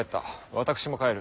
私も帰る。